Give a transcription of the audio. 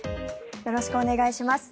よろしくお願いします。